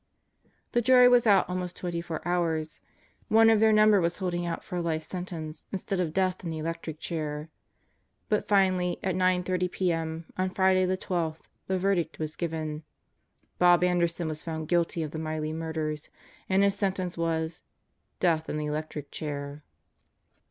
The jury was out almost twenty four hours. One of their num ber was holding out for a life sentence instead of death in the electric chair. But finally, at 9:30 p.m. on Friday the twelfth, the verdict was given. Bob Anderson was found guilty of the Miley murders, and his sentence was: "Death in the electric chair."